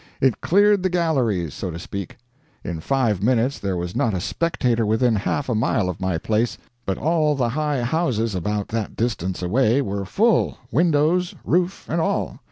It cleared the galleries, so to speak. In five minutes there was not a spectator within half a mile of my place; but all the high houses about that distance away were full, windows, roof, and all.